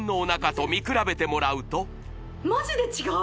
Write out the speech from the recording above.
マジで違う！